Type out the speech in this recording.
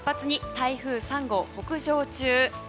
台風３号北上中。